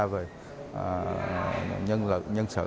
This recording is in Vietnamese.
về nhân sự